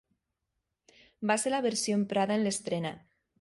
Va ser la versió emprada en l'estrena.